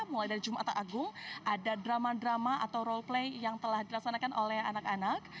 mulai dari jumat agung ada drama drama atau role play yang telah dilaksanakan oleh anak anak